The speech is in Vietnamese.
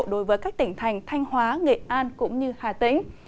đối với các tỉnh thành thanh hóa nghệ an cũng như hà tĩnh